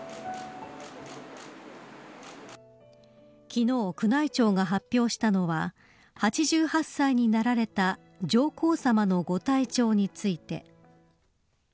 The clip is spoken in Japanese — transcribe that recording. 昨日、宮内庁が発表したのは８８歳になられた上皇さまのご体調について。